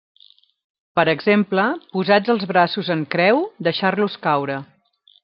Per exemple, posats els braços en creu, deixar-los caure.